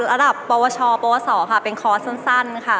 ระดับปวชปวสค่ะเป็นคอร์สสั้นค่ะ